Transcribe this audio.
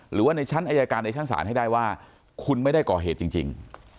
หรือว่าในชั้นอายการในชั้นศาลให้ได้ว่าคุณไม่ได้ก่อเหตุจริง